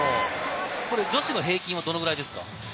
女子の平均はどのくらいですか？